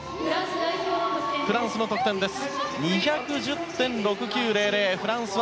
フランスの得点です。